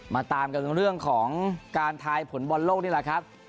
มาตามกันเรื่องของการทายผลบอลโลกนี่แหละครับ